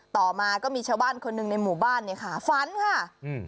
ต่อมาก็มีชาวบ้านคนหนึ่งในหมู่บ้านเนี้ยค่ะฝันค่ะอืม